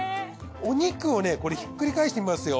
お肉をこれひっくり返してみますよ。